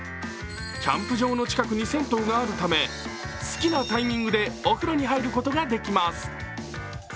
キャンプ場の近くに銭湯があるため、好きなタイミングでお風呂に入ることができます。